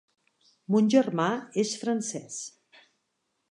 Mon germà és francés.